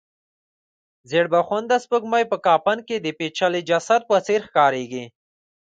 زېړبخونده سپوږمۍ په کفن کې د پېچلي جسد په څېر ښکاریږي.